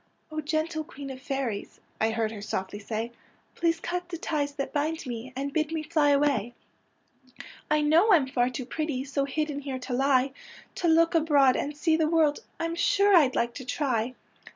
'' gentle Queen of Fairies,'* I heard her softly say, '' Please cut the ties that bind me, And bid me fly away. 81 82 PANSY AND FORGET ME NOT '' I know I'm far too pretty So hidden here to lie; To look abroad and see the world, I'm sure I'd like to try."